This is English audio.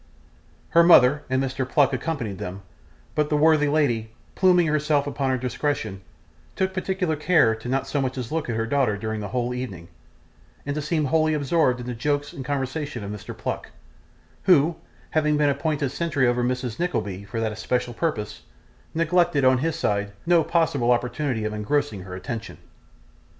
Her mother and Mr. Pluck accompanied them, but the worthy lady, pluming herself upon her discretion, took particular care not so much as to look at her daughter during the whole evening, and to seem wholly absorbed in the jokes and conversation of Mr. Pluck, who, having been appointed sentry over Mrs Nickleby for that especial purpose, neglected, on his side, no possible opportunity of engrossing her attention.